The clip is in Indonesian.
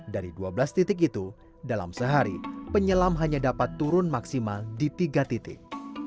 dari dua belas titik itu dalam sehari penyelam hanya dapat turun maksimal di tiga titik